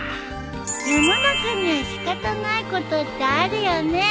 世の中には仕方ないことってあるよね